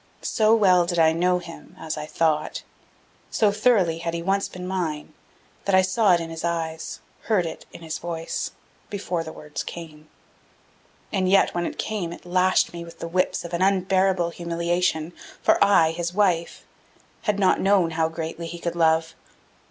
So well did I know him, as I thought, so thoroughly had he once been mine, that I saw it in his eyes, heard it in his voice, before the words came. And yet, when it came, it lashed me with the whips of an unbearable humiliation. For I, his wife, had not known how greatly he could love.